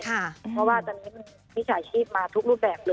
เพราะว่าตอนนี้มันมิจฉาชีพมาทุกรูปแบบเลย